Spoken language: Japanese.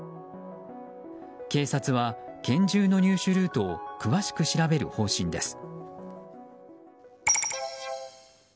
警察は拳銃の入手ルートを詳しく調べる方針です。